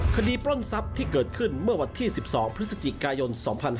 ปล้นทรัพย์ที่เกิดขึ้นเมื่อวันที่๑๒พฤศจิกายน๒๕๕๙